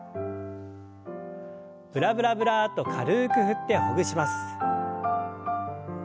ブラブラブラッと軽く振ってほぐします。